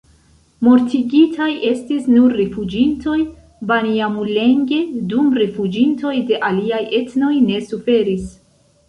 Mortigitaj estis nur rifuĝintoj-banjamulenge, dum rifuĝintoj de aliaj etnoj ne suferis.